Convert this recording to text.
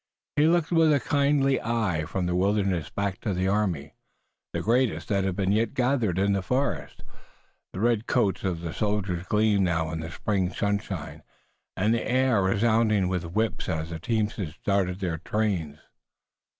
He looked with a kindling eye from the wilderness back to the army, the greatest that had yet been gathered in the forest, the red coats of the soldiers gleaming now in the spring sunshine, and the air resounding with whips as the teamsters started their trains.